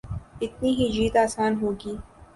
اتنی ہی جیت آسان ہو گی۔